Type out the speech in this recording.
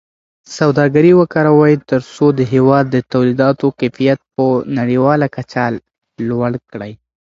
سوداګري وکاروئ ترڅو د هېواد د تولیداتو کیفیت په نړیواله کچه لوړ کړئ.